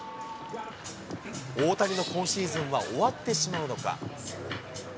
大谷の今シーズンは終わってしまうのか。